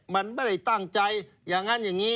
มันไม่ได้ตั้งใจอย่างนั้นอย่างนี้